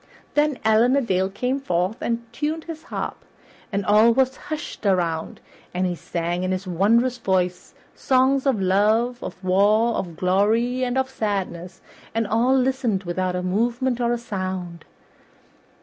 Then Allan a Dale came forth and tuned his harp, and all was hushed around, and he sang in his wondrous voice songs of love, of war, of glory, and of sadness, and all listened without a movement or a sound.